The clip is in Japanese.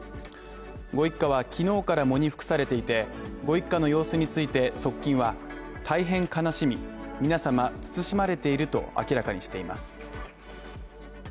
ご一家は昨日から喪に服されていて、ご一家の様子について、側近は大変悲しみ皆様、つつしまれていると明らかにしています。